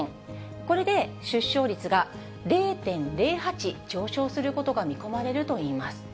これで出生率が０．０８上昇することが見込まれるといいます。